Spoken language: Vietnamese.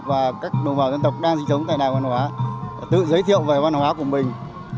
và các đồng bào dân tộc đang sinh sống tại đài văn hóa tự giới thiệu về văn hóa của mình